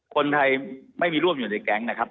คนไทยไม่มีร่วมอยู่ในแก๊งนะครับ